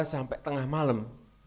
sampai tengah malam